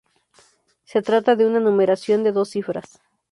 Se trata de una numeración de dos cifras.